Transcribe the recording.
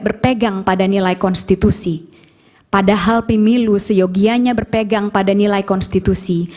berpegang pada nilai konstitusi padahal pemilu seyogianya berpegang pada nilai konstitusi